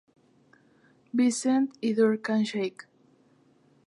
Vincent y Duncan Sheik.